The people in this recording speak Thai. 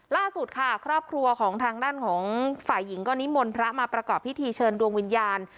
ล่าสุดค่ะครอบครัวของทางด้านของฝ่ายหญิงก็นิมนต์พระมาประกอบพิธีเชิญดวงวิญญาณ